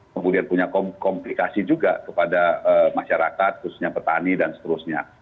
kemudian punya komplikasi juga kepada masyarakat khususnya petani dan seterusnya